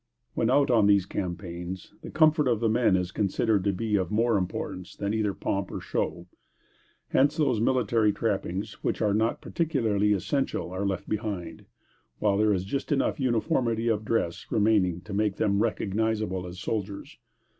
When out on these campaigns, the comfort of the men is considered to be of more importance than either pomp or show; hence, those military trappings which are not particularly essential, are left behind, while there is just enough uniformity of dress remaining, to make them recognizable as soldiers.